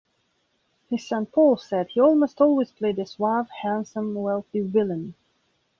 His son Paul said he almost always played a suave, handsome, wealthy villain.